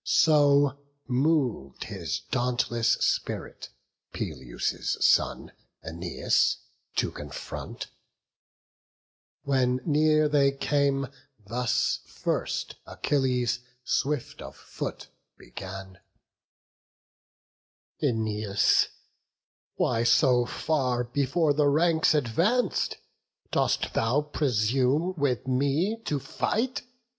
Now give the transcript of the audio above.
So mov'd his dauntless spirit Peleus' son Æneas to confront; when near they came, Thus first Achilles, swift of foot, began: "Æneas, why so far before the ranks Advanc'd? dost thou presume with me to fight?